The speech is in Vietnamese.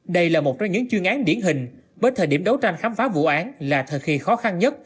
đây là một trong những chuyên án điển hình bớt thời điểm đấu tranh khám phá vụ án là thời khi khó khăn nhất